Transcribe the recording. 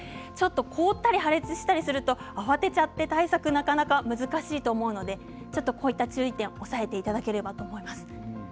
凍ったり、破裂したりすると慌てて対策がなかなか難しいと思うので注意点を押さえていただければと思います。